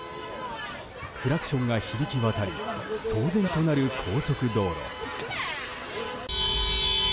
クラクションが響き渡り騒然となる高速道路。